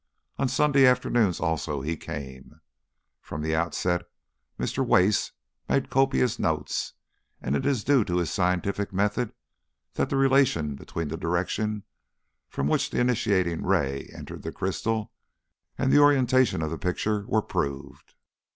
On Sunday afternoons, also, he came. From the outset Mr. Wace made copious notes, and it was due to his scientific method that the relation between the direction from which the initiating ray entered the crystal and the orientation of the picture were proved.